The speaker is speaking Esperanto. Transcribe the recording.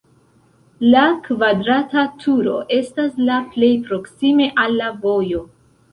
La kvadrata turo estas la plej proksime al la vojo.